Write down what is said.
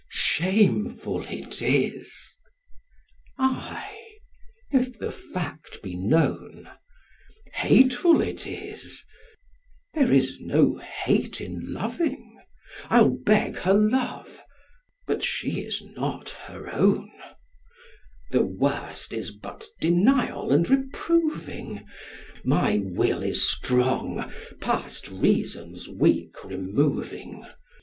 'Shameful it is; ay, if the fact be known: Hateful it is; there is no hate in loving: I'll beg her love; but she is not her own: The worst is but denial and reproving: My will is strong, past reason's weak removing.